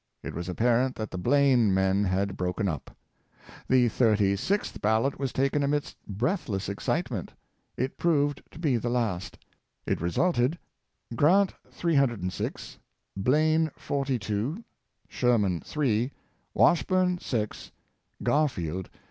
It was appa rent that the Blaine men had broken up. The thirty sixth ballot was taken amidst breathless excitement. It proved to be the last. It resulted: Grant, 306; Blaine, 42; Sherman, 3; Washburne, 6; Garfield, 399.